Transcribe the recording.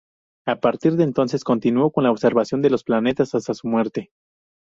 A partir de entonces, continuó con la observación de los planetas hasta su muerte.